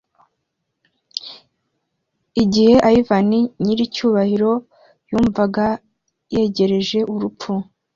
Igihe Ivan Nyiricyubahiro yumvaga yegereje urupfu,